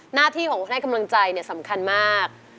หน้าที่ของคนให้กำลังใจสำคัญมาก